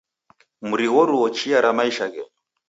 Mrighoruo chia ra maisha ghenyu